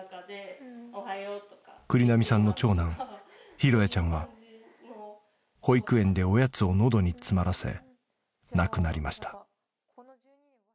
栗並さんの長男寛也ちゃんは保育園でおやつをのどに詰まらせ亡くなりました。